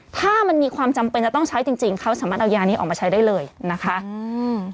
ถ้ามันมีความจำเป็นจะต้องใช้จริงจริงเขาสามารถเอายานี้ออกมาใช้ได้เลยนะคะอืม